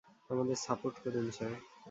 আমাদের সাপোর্ট করুন, স্যার।